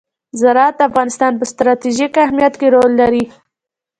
زراعت د افغانستان په ستراتیژیک اهمیت کې رول لري.